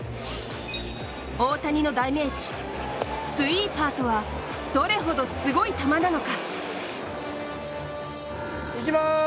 大谷の代名詞、スイーパーとはどれほどすごい球なのか。